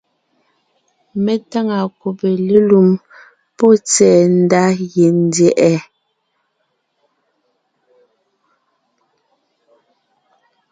Mé táŋa kùbe lélùm pɔ́ tsɛ̀ɛ ndá yendyɛ̀ʼɛ.